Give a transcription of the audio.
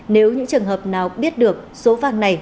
nếu những trường hợp nào biết được số vàng này